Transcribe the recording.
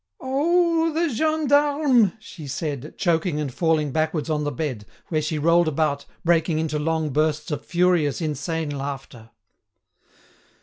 "Oh, the gendarme!" she said, choking and falling backwards on the bed, where she rolled about, breaking into long bursts of furious, insane laughter.